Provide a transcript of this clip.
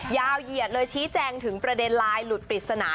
เหยียดเลยชี้แจงถึงประเด็นไลน์หลุดปริศนา